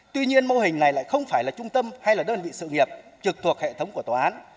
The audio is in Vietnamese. tuy nhiên mô hình này lại không phải là trung tâm hay là đơn vị sự nghiệp trực thuộc hệ thống của tòa án